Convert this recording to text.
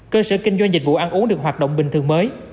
cơ sở kinh doanh dịch vụ ăn uống được hoạt động bình thường mới